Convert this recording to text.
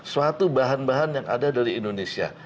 suatu bahan bahan yang ada dari indonesia